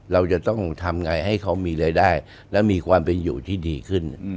เราจะต้องทำไงให้เขามีรายได้และมีความเป็นอยู่ที่ดีขึ้น